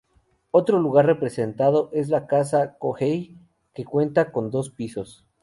Otro lugar representado es la casa de Kohei que cuenta con dos pisos.